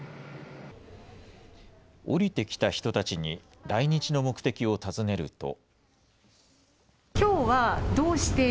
降りてきた人たちに、来日の目的を尋ねると。